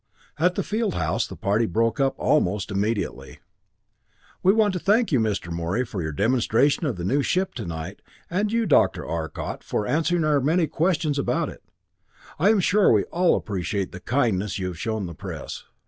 At the field house the party broke up almost immediately. "We want to thank you, Mr. Morey, for your demonstration of the new ship tonight, and you, Dr. Arcot, for answering our many questions about it. I am sure we all appreciate the kindness you have shown the press."